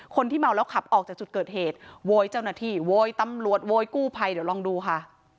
คนที่เมาแล้วขับออกจากจุดเกิดเหตุโวยเจ้าหน้าที่โวยตำรวจโวยกู้ภัยเดี๋ยวลองดูค่ะ